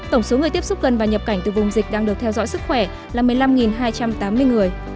tổng số người tiếp xúc gần và nhập cảnh từ vùng dịch đang được theo dõi sức khỏe là một mươi năm hai trăm tám mươi người